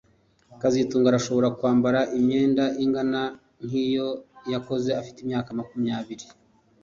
kazitunga arashobora kwambara imyenda ingana nkiyo yakoze afite imyaka makumyabiri